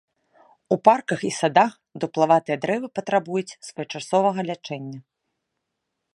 У парках і садах дуплаватыя дрэвы патрабуюць своечасовага лячэння.